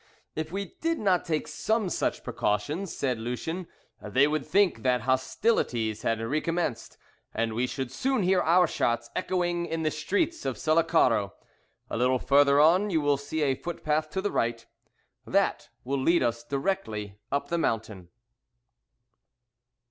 "If we did not take some such precautions," said Lucien, "they would think that hostilities had recommenced, and we should soon hear our shots echoing in the streets of Sullacaro. A little farther on you will see a footpath to the right that will lead us directly up the mountain."